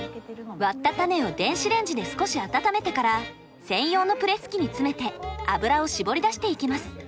割った種を電子レンジで少し温めてから専用のプレス機に詰めて油を搾り出していきます。